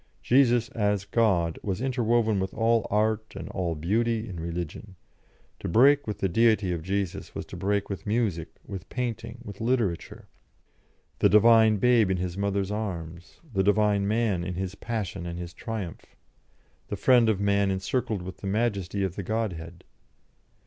Jesus as God was interwoven with all art and all beauty in religion; to break with the Deity of Jesus was to break with music, with painting, with literature; the Divine Babe in His Mother's arms; the Divine Man in His Passion and His Triumph; the Friend of Man encircled with the majesty of the Godhead.